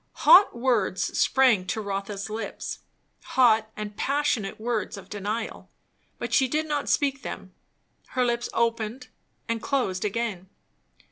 Hot words sprang to Rotha's lips, hot and passionate words of denial; but she did not speak them; her lips opened and closed again.